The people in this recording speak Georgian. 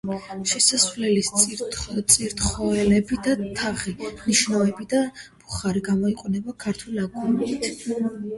შესასვლელის წირთხლები და თაღი, ნიშები და ბუხარი გამოყვანილია ქართული აგურით.